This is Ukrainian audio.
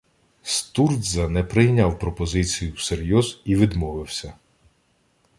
Стурдза не сприйняв пропозицію всерйоз і відмовився.